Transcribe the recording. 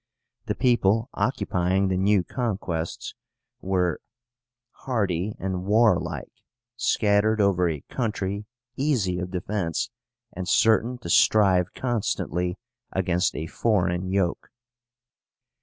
The people occupying the new conquests were hardy and warlike, scattered over a country easy of defence, and certain to strive constantly against a foreign yoke.